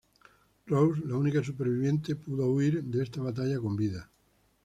Rose, la única superviviente pudo huir de esta batalla con vida.